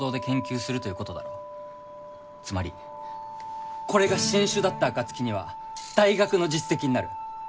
つまりこれが新種だった暁には大学の実績になる。